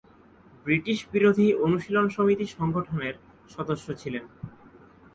British বিরোধী অনুশীলন সমিতি সংগঠনের সদস্য ছিলেন।